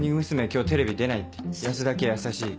今日テレビ出ないって保田圭やさしい。